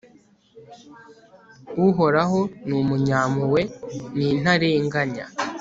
uhoraho ni umunyampuhwe n'intarenganya